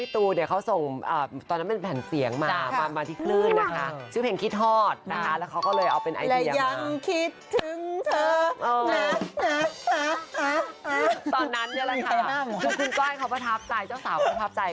ตอนนั้นนี่แหละค่ะคุณก้อยเขาพัทพใจเจ้าสาวเขาพัทพใจ